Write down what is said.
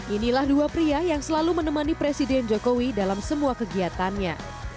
inilah dua pria yang selalu menemani presiden jokowi dalam semua kegiatannya